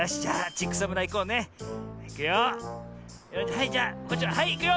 はいじゃあはいいくよ。